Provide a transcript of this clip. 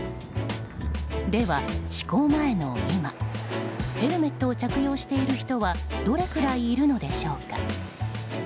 では、施行前の今ヘルメットを着用している人はどれくらいいるのでしょうか。